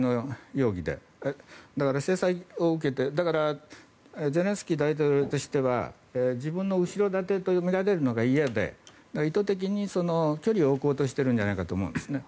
だからゼレンスキー大統領としては自分の後ろ盾と見られるのが嫌で意図的に距離を置こうとしているんじゃないかと思うんです。